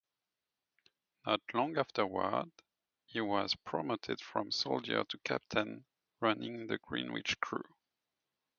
Not long afterward, he was promoted from soldier to captain, running the Greenwich Crew.